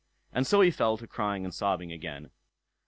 And so he fell to crying and sobbing again.